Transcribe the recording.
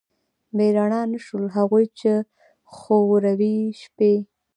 بې رڼا نه شول، هغوی چې خوروي شپې